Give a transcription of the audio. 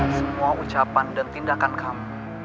semua ucapan dan tindakan kamu